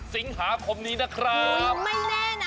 สิงหาคมนี้นะครับ